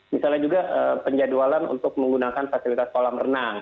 misalnya juga penjadwalan untuk menggunakan fasilitas kolam renang